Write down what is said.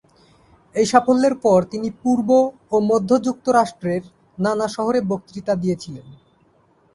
এই সাফল্যের পর তিনি পূর্ব ও মধ্য যুক্তরাষ্ট্রের নানা শহরে বক্তৃতা দিয়েছিলেন।